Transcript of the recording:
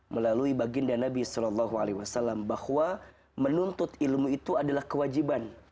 melalui baginda nabi saw bahwa menuntut ilmu itu adalah kewajiban